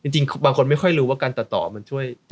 จริงบางคนไม่ค่อยรู้ว่าการตัดต่อมันช่วย